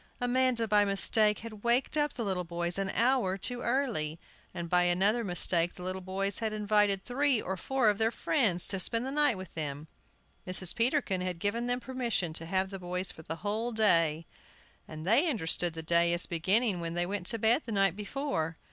Amanda, by mistake, had waked up the little boys an hour too early. And by another mistake the little boys had invited three or four of their friends to spend the night with them. Mrs. Peterkin had given them permission to have the boys for the whole day, and they understood the day as beginning when they went to bed the night before.